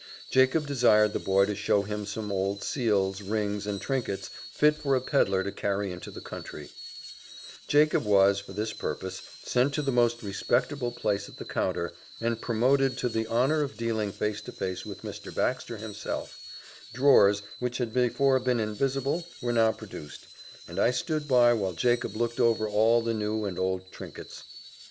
Jacob desired the boy to show him some old seals, rings, and trinkets, fit for a pedlar to carry into the country; Jacob was, for this purpose, sent to the most respectable place at the counter, and promoted to the honour of dealing face to face with Mr. Baxter himself: drawers, which had before been invisible, were now produced; and I stood by while Jacob looked over all the new and old trinkets.